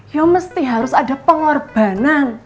ya mesti harus ada pengorbanan